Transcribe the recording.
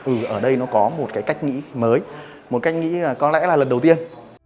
vì ở đây nó có một cái cách nghĩ mới một cách nghĩ là có lẽ là lần đầu tiên